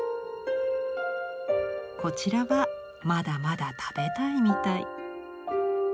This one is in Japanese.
こちらはまだまだ食べたいみたい。